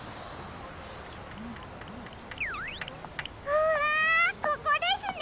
うわここですね！